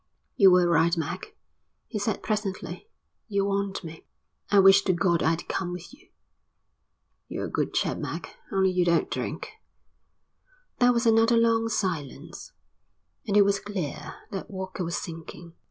"You were right, Mac," he said presently. "You warned me." "I wish to God I'd come with you." "You're a good chap, Mac, only you don't drink." There was another long silence, and it was clear that Walker was sinking.